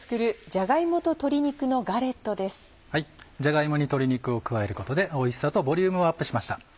じゃが芋に鶏肉を加えることでおいしさとボリュームをアップしました。